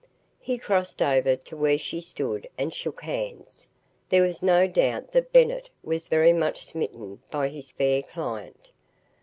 He crossed over to where she stood and shook hands. There was no doubt that Bennett was very much smitten by his fair client.